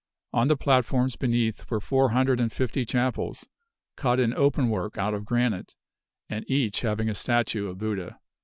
On the platforms beneath were four hundred and fifty chapels, cut in openwork out of granite, and each having a statue of Buddha.